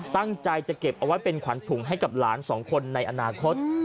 ตั้งใจจะเก็บเอาไว้เป็นขวัญถุงให้กับหลานสองคนในอนาคต